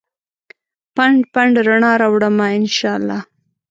پنډ ، پنډ رڼا راوړمه ا ن شا الله